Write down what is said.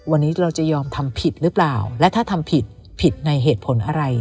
วันนี้เราจะยอมทำผิดหรือเปล่าและถ้าทำผิดผิดในเหตุผลอะไร